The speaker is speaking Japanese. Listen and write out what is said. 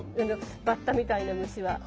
バッタみたいな虫は。